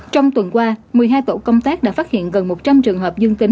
trong tuần qua một mươi hai tổ công tác đã phát hiện gần một trăm linh trường hợp dương tính